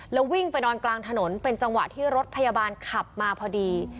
แล้ววิ่งไปนอนกลางถนนเป็นจังหวะที่รถพยาบาลขับมาพอดี